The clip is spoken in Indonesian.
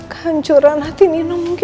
gancur aja ya